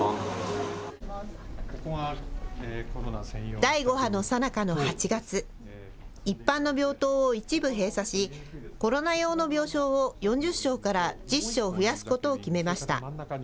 第５波のさなかの８月、一般の病棟を一部閉鎖し、コロナ用の病床を４０床から１０床増やすことを決めました。